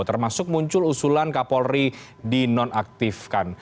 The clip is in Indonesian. termasuk muncul usulan kapolri di non aktifkan